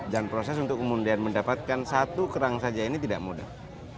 dan proses untuk kemudian mendapatkan satu kerang saja ini tidak mudah